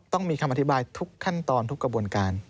ต้องมีคำอธิบายทุกขั้นตอนทุกกระบวนการ